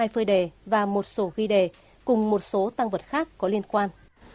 hai phơi đề và một sổ ghi đề cùng một số tăng vật khác có liên quan